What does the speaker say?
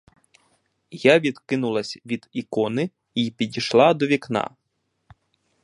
Я відкинулась від ікони й підійшла до вікна.